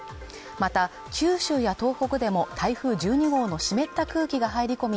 また九州や東北でも台風１２号の湿った空気が入り込み